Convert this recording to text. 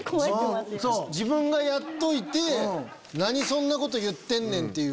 自分がやっといて「何そんなこと言ってんねん」っていう。